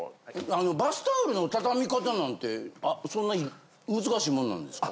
バスタオルのたたみ方なんてそんな難しいもんなんですか？